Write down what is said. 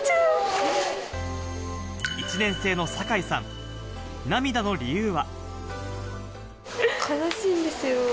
１年生の酒井さん、涙の理由は？